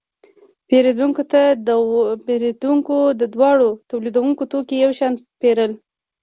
پیرودونکو د دواړو تولیدونکو توکي یو شان پیرل.